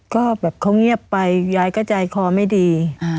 ก็แบบเขาเงียบไปยายก็ใจคอไม่ดี